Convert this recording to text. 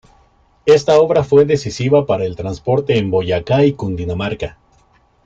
Esta obra fue decisiva para el transporte en Boyacá y Cundinamarca.